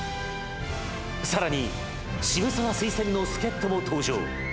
さらに、渋沢推薦の助っ人も登場。